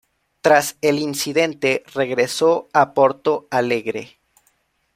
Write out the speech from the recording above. Tras el incidente, regresó a Porto Alegre.